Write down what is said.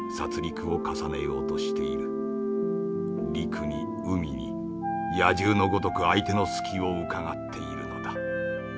陸に海に野獣のごとく相手の隙をうかがっているのだ。